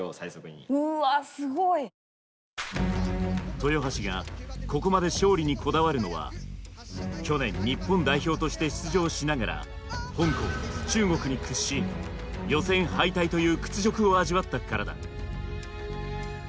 豊橋がここまで勝利にこだわるのは去年日本代表として出場しながら香港中国に屈し予選敗退という屈辱を味わったからだ。